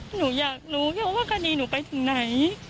หนูอยากรู้แค่ว่าคดีหนูไปถึงไหน